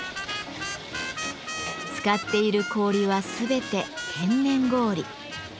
使っている氷は全て天然氷。